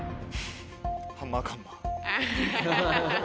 ハンマーカンマー。